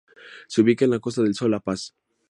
Se ubica en la Costa del Sol, La Paz.